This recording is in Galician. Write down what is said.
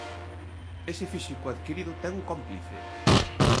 Ese físico adquirido ten un cómplice.